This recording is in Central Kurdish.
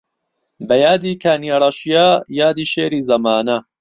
بە یادی کانیەڕەشیە یادی شێری زەمانە